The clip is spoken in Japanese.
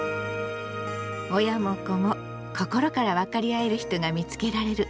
親も子も心から分かり合える人が見つけられる。